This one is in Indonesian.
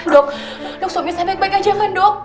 dok dok suaminya sehat baik baik aja kan dok